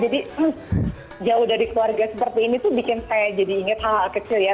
jauh dari keluarga seperti ini tuh bikin saya jadi inget hal hal kecil ya